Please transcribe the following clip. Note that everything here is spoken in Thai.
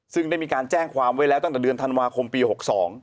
ซึ่งได้มีการแจ้งความไว้แล้วตั้งแต่เดือนธันวาคมปี๖๒